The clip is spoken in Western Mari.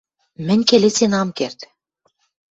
— Мӹнь келесен ам керд...